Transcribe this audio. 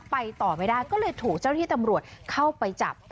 ไปต่อไม่ได้ก็เลยถูกเจ้าที่ตำรวจเข้าไปจับ